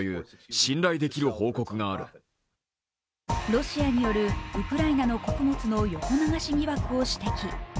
ロシアによるウクライナの穀物への横流し疑惑を指摘。